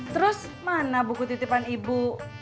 terus mana buku titipan ibu